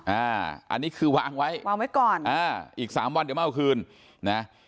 อันนี้คือวางไว้วางไว้ก่อนอ่าอีกสามวันเดี๋ยวมาเอาคืนนะ